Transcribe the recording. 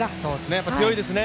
やっぱり強いですね